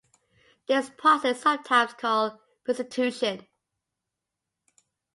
This process is sometimes called bustitution.